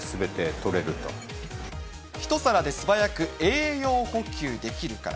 一皿で素早く栄養補給できるから。